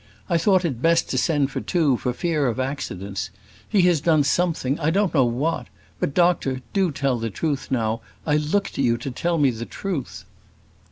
"I thought it best to send for two, for fear of accidents. He has done something I don't know what. But, doctor, do tell the truth now; I look to you to tell me the truth."